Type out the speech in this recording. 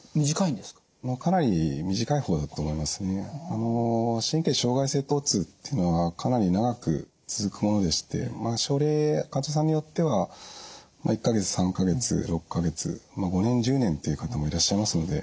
あの神経障害性とう痛っていうのはかなり長く続くものでしてまあ症例患者さんによっては１か月３か月６か月まあ５年１０年っていう方もいらっしゃいますので。